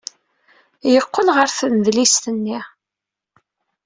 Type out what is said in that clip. Yeqqel ɣer tnedlist-nni.